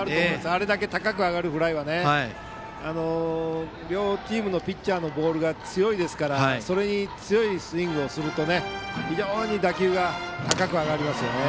あれだけ高く上がるフライは両チームのピッチャーのボールが強いですからそれに強いスイングをすると非常に打球が高く上がりますよね。